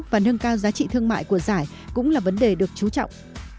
và nâng cao giá trị thương mại của giải cũng là vấn đề được chú trọng